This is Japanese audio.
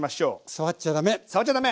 触っちゃ駄目！